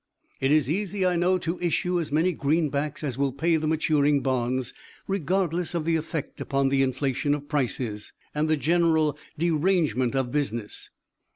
It is easy, I know, to issue as many greenbacks as will pay the maturing bonds, regardless of the effect upon the inflation of prices, and the general derangement of business.